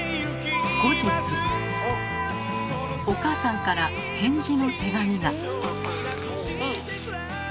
お母さんから返事の手紙が。